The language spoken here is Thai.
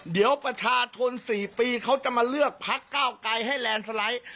เดี๋ยวประชาชน๔ปีเขาจะมาเลือกพักเก้าไกลให้แลนด์สไลด์